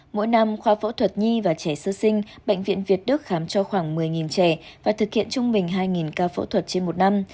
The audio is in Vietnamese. mỗi năm khoa phẫu thuật nhi và trẻ sơ sinh bệnh viện việt đức khám cho khoảng một mươi trẻ và thực hiện trung bình hai ca phẫu thuật trên một năm